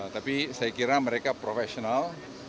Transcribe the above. tapi saya kira mereka profesional